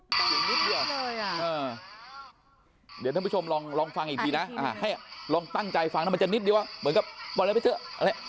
เดี๋ยวท่านผู้ชมลองฟังอีกทีนะให้ลองตั้งใจฟังถ้ามันจะนิดดีวะเหมือนกับ